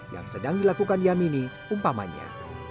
yang sedang dilakukan yamini umpamanya